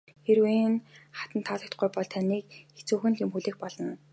Хэрэв энэ хатанд таалагдахгүй бол таныг хэцүүхэн юм хүлээх болно.